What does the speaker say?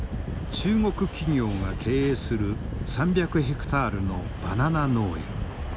中国企業が経営する３００ヘクタールのバナナ農園。